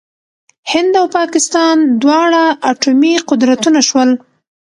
هند او پاکستان دواړه اټومي قدرتونه شول.